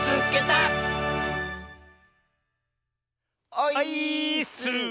オイーッス！